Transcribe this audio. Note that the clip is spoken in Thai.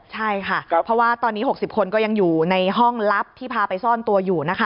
ใช่ค่ะเพราะว่าตอนนี้๖๐คนก็ยังอยู่ในห้องลับที่พาไปซ่อนตัวอยู่นะคะ